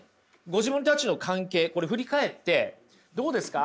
ご自分たちの関係これ振り返ってどうですか？